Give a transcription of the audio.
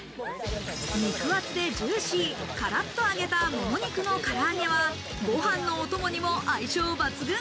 肉厚でジューシー、カラッと揚げた、もも肉のから揚げは、ご飯のお供にも相性抜群。